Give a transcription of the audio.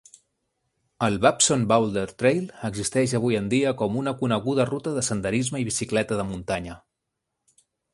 El Babson Boulder Trail existeix avui en dia com una coneguda ruta de senderisme i bicicleta de muntanya.